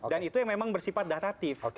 dan itu yang memang bersifat datatif